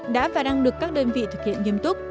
đã và đang được các đơn vị thực hiện nghiêm túc